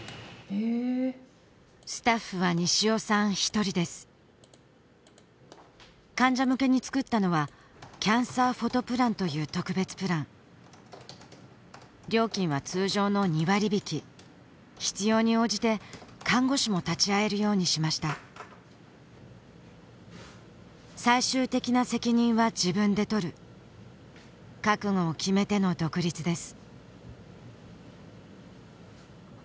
スタッフは西尾さん１人です患者向けに作ったのは「キャンサーフォトプラン」という特別プラン料金は通常の２割引き必要に応じて看護師も立ち会えるようにしました最終的な責任は自分でとる覚悟を決めての独立です